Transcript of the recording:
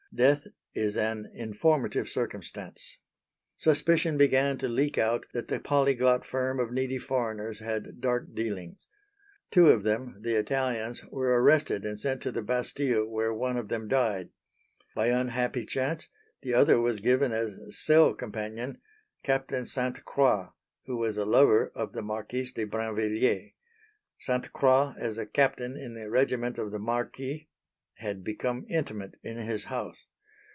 Death is an informative circumstance. Suspicion began to leak out that the polyglot firm of needy foreigners had dark dealings. Two of them the Italians were arrested and sent to the Bastille where one of them died. By unhappy chance the other was given as cell companion Captain Sainte Croix, who was a lover of the Marquise de Brinvilliers. Sainte Croix as a Captain in the regiment of the Marquis had become intimate in his house.